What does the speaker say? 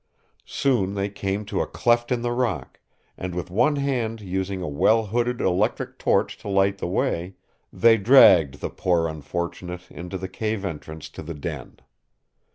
Soon they came to a cleft in the rock, and, with one hand using a well hooded electric torch to light the way, they dragged the poor unfortunate into the cave entrance to the den.